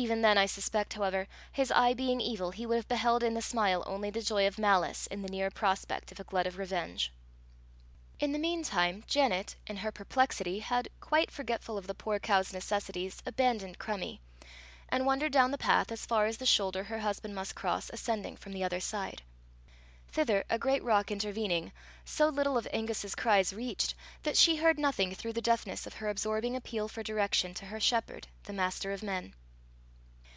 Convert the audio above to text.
Even then, I suspect, however, his eye being evil, he would have beheld in the smile only the joy of malice in the near prospect of a glut of revenge. In the mean time Janet, in her perplexity, had, quite forgetful of the poor cow's necessities, abandoned Crummie, and wandered down the path as far as the shoulder her husband must cross ascending from the other side: thither, a great rock intervening, so little of Angus's cries reached, that she heard nothing through the deafness of her absorbing appeal for direction to her shepherd, the master of men.